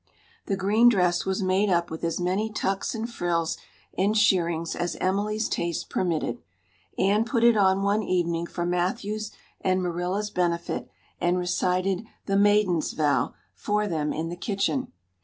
The green dress was made up with as many tucks and frills and shirrings as Emily's taste permitted. Anne put it on one evening for Matthew's and Marilla's benefit, and recited "The Maiden's Vow" for them in the kitchen.